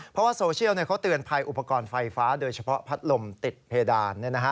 เพราะว่าโซเชียลเขาเตือนภัยอุปกรณ์ไฟฟ้าโดยเฉพาะพัดลมติดเพดาน